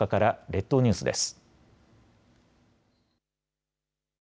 列島ニュースです。